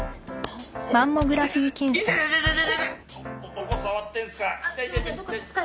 どこ触ってんすか？